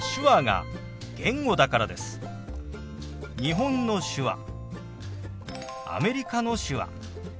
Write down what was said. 日本の手話アメリカの手話